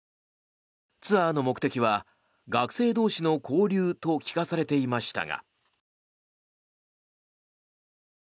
ツアーの目的は学生同士の交流と聞かされていましたが。